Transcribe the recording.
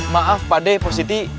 maaf pak ade pak siti